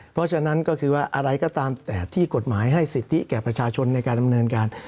เพราะฉะนั้นก็คือว่าอะไรก็ตามแต่ที่กฎหมายให้สิทธิแก่ประชาชนในการดำเนินการ